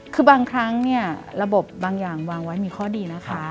คือบางครั้งเนี่ยระบบบางอย่างวางไว้มีข้อดีนะคะ